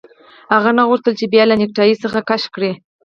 هغه نه غوښتل چې بیا یې له نیکټايي څخه کش کړي